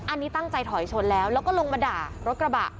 อันนี้ตั้งใจถอยชนแล้วแล้วก็ลงมาด่ารถกระบะ